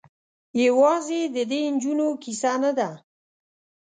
یوازې د دې نجونو کيسه نه ده.